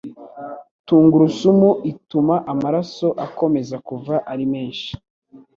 tungurusumu ituma amaraso akomeza kuva ari menshi